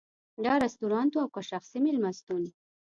دا رستورانت و او که شخصي مېلمستون.